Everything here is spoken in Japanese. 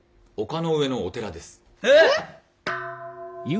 えっ！？